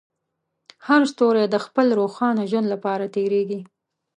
هر ستوری د خپل روښانه ژوند لپاره تېرېږي.